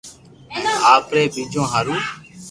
ھين آپري ٻچو ھارو